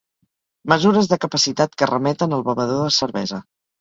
Mesures de capacitat que remeten al bevedor de cervesa.